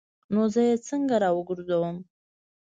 نو زه یې څنګه راوګرځوم؟